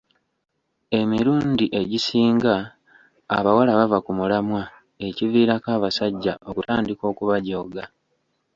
Emirundi egisinga abawala bava ku mulamwa ekiviirako abasajja okutandika okubajooga.